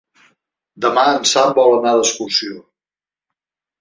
Demà en Sam vol anar d'excursió.